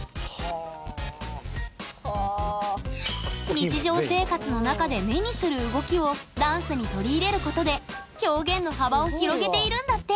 日常生活の中で目にする動きをダンスに取り入れることで表現の幅を広げているんだって！